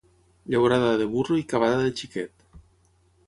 Llaurada de burro i cavada de xiquet.